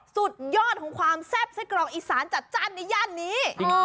สุดยอดของความแซ่บไส้กรอกอีสานจัดจ้านในย่านนี้